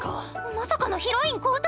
まさかのヒロイン交代⁉